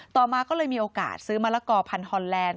ต่อมาก็เลยมีโอกาสซื้อมะละกอพันธอนแลนด